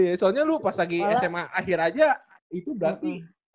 iya iya soalnya lu pas lagi sma akhir aja itu berarti